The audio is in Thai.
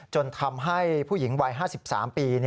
จนทำให้ผู้หญิงวัย๕๓ปี